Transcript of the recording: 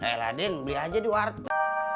eh ladin beli aja di wartu